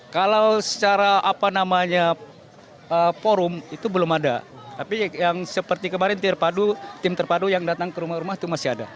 kalau secara apa namanya forum itu belum ada tapi yang seperti kemarin tim terpadu yang datang ke rumah rumah itu masih ada